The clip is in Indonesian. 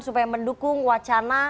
supaya mendukung wacana